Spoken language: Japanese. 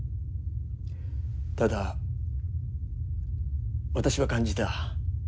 ただ私は感じた。